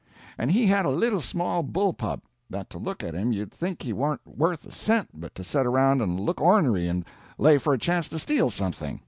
"And he had a little small bull pup, that to look at him you'd think he warn't worth a cent but to set around and look ornery and lay for a chance to steal something.